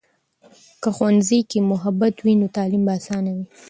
که ښوونځي کې محبت وي، نو تعلیم به آسانه وي.